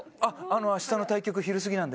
明日の対局昼過ぎなんで。